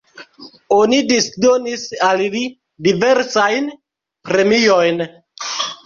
Oni disdonis al li diversajn premiojn.